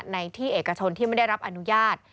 ในที่เอกชนที่ไม่ได้รับอนุญาต